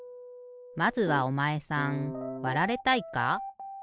まずはおまえさんわられたいか？